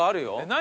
何？